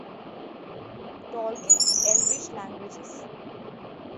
Tolkien's Elvish languages.